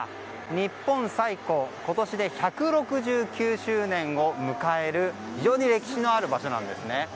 日本最古今年で１６９周年を迎える非常に歴史のある場所なんですね。